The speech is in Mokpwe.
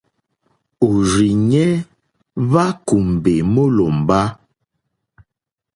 Òrzìɲɛ́ hwá kùmbè mólòmbá.